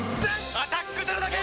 「アタックＺＥＲＯ」だけ！